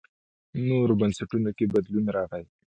نورو بنسټونو کې بدلون راغی.